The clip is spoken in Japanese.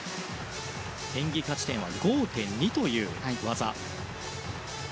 演技価値点は５．２という技。